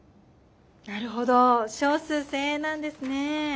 なるほど少数精鋭なんですねぇ。